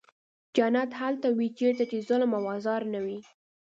جنت هلته وي چېرته چې ظلم او آزار نه وي.